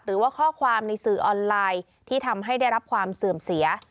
หรือว่าข้อความในสื่อออนไลน์ที่ทำให้ได้รับความเสื่อมเสีย